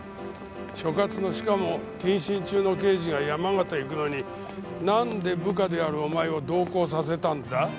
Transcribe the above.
所轄のしかも謹慎中の刑事が山形行くのになんで部下であるお前を同行させたんだ？